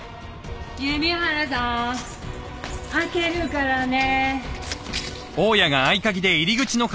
弓原さん開けるからね。